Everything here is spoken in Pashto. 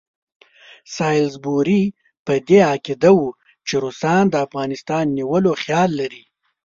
سالیزبوري په دې عقیده وو چې روسان د افغانستان نیولو خیال لري.